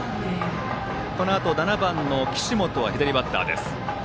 このあと７番の岸本は左バッターです。